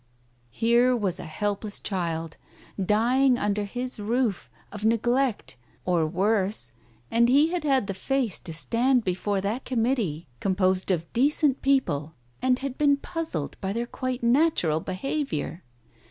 Here was a helpless child, dying under his roof, of neglect, or worse, and he had had the face to stand before that Committee corn Digitized by Google THE TIGER SKIN 301 posed of decent people, and had been puzzled by their quite natural behaviour.